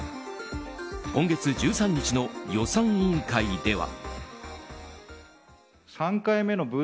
今月１３日の予算委員会では。